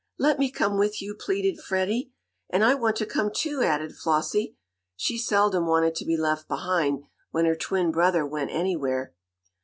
"Let me come with you!" pleaded Freddie. "And I want to come, too!" added Flossie. She seldom wanted to be left behind, when her twin brother went anywhere.